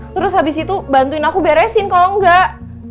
terus habis itu bantuin aku beresin kalau enggak